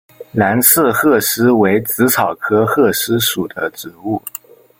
蓝刺鹤虱为紫草科鹤虱属的植物。